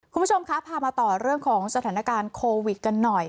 คุณผู้ชมคะพามาต่อเรื่องของสถานการณ์โควิดกันหน่อย